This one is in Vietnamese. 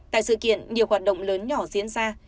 tại sự kiện nhiều hoạt động lớn nhỏ diễn ra